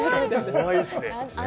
怖いですね。